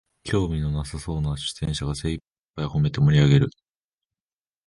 興味のなさそうな出演者が精いっぱいほめて盛りあげる